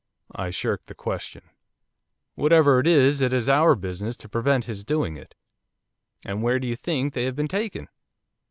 I shirked the question. 'Whatever it is, it is our business to prevent his doing it.' 'And where do you think they have been taken?